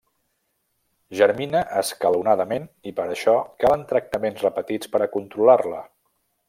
Germina escalonadament i per això calen tractaments repetits per a controlar-la.